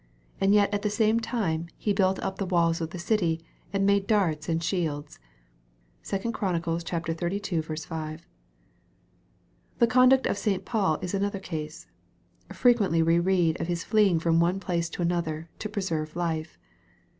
And yet, at the same time, he built up the walls of the city, and made darts and shields. (2 Chron. xxxii. 5.) The conduct of St. Paul is another case. Frequently we read of his fleeing from one place to another, to preserve life.